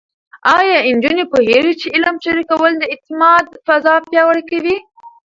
ایا نجونې پوهېږي چې علم شریکول د اعتماد فضا پیاوړې کوي؟